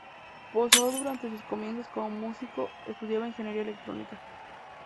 Pozzo durante sus comienzos como músico estudiaba ingeniería electrónica.